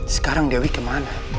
sekarang dewi kemana